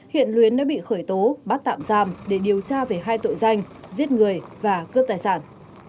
hiện luyến đã bị khởi tố bắt tạm giam để điều tra về hai tội danh giết người và cướp tài sản